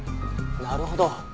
なるほど。